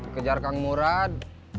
kejar kang murad